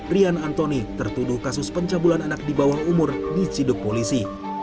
rian antoni tertuduh kasus pencabulan anak di bawah umur diciduk polisi